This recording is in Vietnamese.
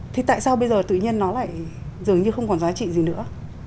thì tại sao bây giờ tự nhiên nó lại dường như không còn giá trị gì nữa